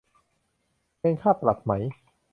เงินค่าปรับไหม